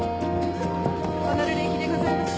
ホノルル行きでございます。